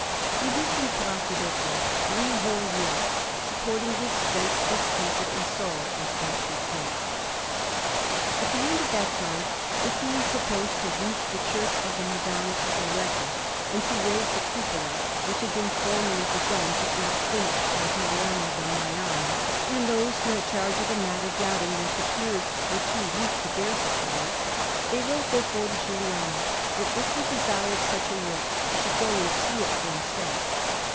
He lived in Prato, therefore, three whole years, supporting the expense, discomfort, and sorrow as best he could. At the end of that time, it being proposed to roof the Church of the Madonna at Loreto, and to raise the cupola, which had been formerly begun but not finished by Giuliano da Maiano, and those who had charge of the matter doubting that the piers were too weak to bear such a weight, they wrote, therefore, to Giuliano, that if he desired such a work, he should go and see it for himself.